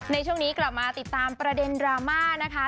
ในช่วงนี้กลับมาติดตามประเด็นดราม่านะคะ